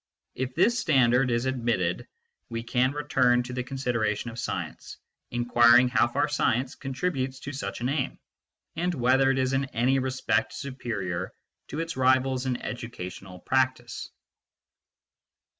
If this standard is admitted, we can return to the consideration of science, inquiring how far science contributes to such an aim, and whether it is in any respect superior to its rivals in educational practice.